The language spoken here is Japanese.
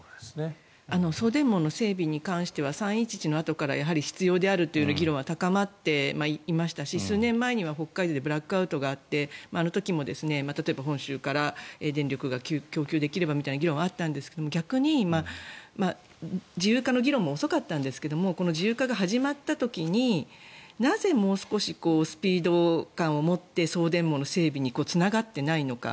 送電網の整備の話に関しては３・１１のあとから必要であるという議論は高まっていましたし数年前には北海道でブラックアウトがあってあの時も本州から電力が供給できればみたいな議論はあったんですが逆に自由化の議論も遅かったんですけども自由化が始まった時になぜ、もう少しスピード感を持って送電網の整備につながっていないのか。